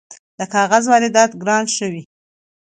د کاغذ واردات ګران شوي؟